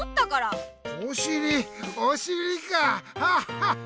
ハハハハ！